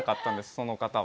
その方は。